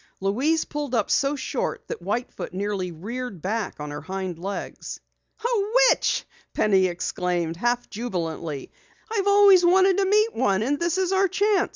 Louise pulled up so short that White Foot nearly reared back on her hind legs. "A witch!" Penny exclaimed, half jubilantly. "I've always wanted to meet one, and this is our chance!"